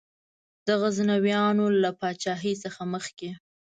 د غزنویانو له پاچهۍ څخه مخکي.